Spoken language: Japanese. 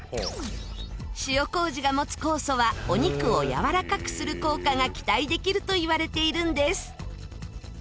塩麹が持つ酵素はお肉をやわらかくする効果が期待できるといわれているんです。